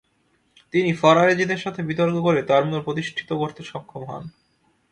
তিনি ফরায়েজিদের সাথে বিতর্ক করে তার মত প্রতিষ্ঠিত করতে সক্ষম হন।